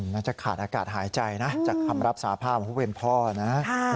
น่าจะขาดอากาศหายใจนะจากคำรับสาภาพของผู้เป็นพ่อนะ